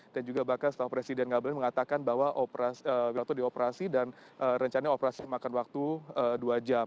dan juga bahkan setelah presiden ngabelin mengatakan bahwa wiranto dioperasi dan rencananya operasi makan waktu dua jam